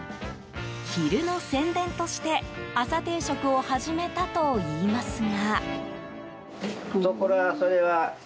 昼の宣伝として朝定食を始めたといいますが。